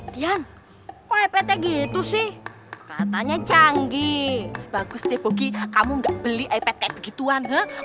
tian ipadnya gitu sih katanya canggih bagus deh bogi kamu beli ipad begitu and